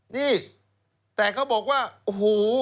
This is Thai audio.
นี่แต่เขาบอกว่าโอ้โห